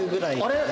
あれ？